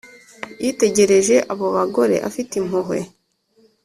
yitegereje abo bagore afite impuhwe